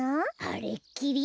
あれっきり。